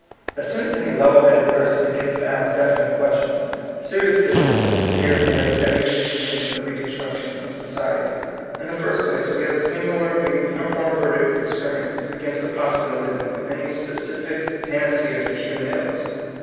As soon as any level headed person be gins to ask definite questions, serious diffi culties appear in the way of every new scheme for the reconstruction of society. In the first place, we have a singularly uni form verdict of experience against the pos sibility of any specific panacea for human ills.